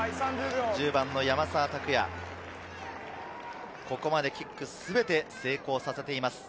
１０番の山沢拓也、ここまでキック、全て成功させています。